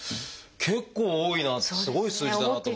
結構多いなってすごい数字だなって。